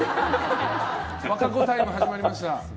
和歌子タイムが始まりました。